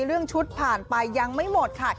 เรื่องชุดผ่านไปยังไม่หมดค่ะ